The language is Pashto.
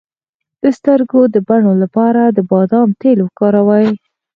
د سترګو د بڼو لپاره د بادام تېل وکاروئ